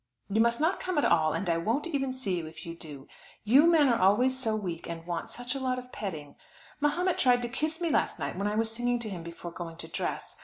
You must not come at all, and I won't even see you if you do. You men are always so weak, and want such a lot of petting. Mahomet tried to kiss me last night when I was singing to him before going to dress.